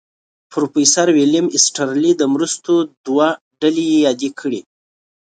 پروفیسر ویلیم ایسټرلي د مرستو دوه ډلې یادې کړې.